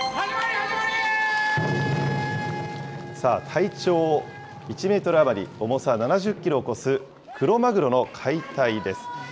体長１メートル余り、重さ７０キロを超すクロマグロの解体です。